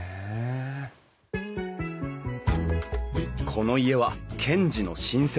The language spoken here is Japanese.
この家は賢治の親戚